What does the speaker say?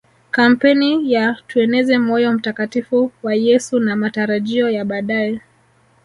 kampeni ya tueneze moyo mtakatifu wa Yesu na matarajio ya baadae